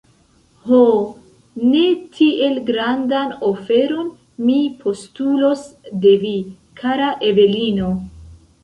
Ho, ne tiel grandan oferon mi postulos de vi, kara Evelino!